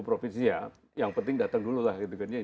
dua puluh provinsi ya yang penting datang dulu lah